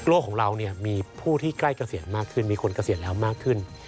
ของเราเนี่ยมีผู้ที่ใกล้เกษียณมากขึ้นมีคนเกษียณแล้วมากขึ้น